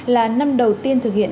là năm đầu tiên thực hiện